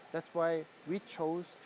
dari scr lebih rendah